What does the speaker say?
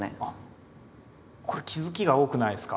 これ気付きが多くないですか？